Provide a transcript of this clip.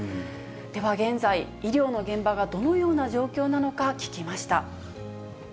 では現在、医療の現場がどのような状況なのか聞きました。